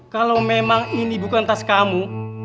kalau memang ini bukan tas kamu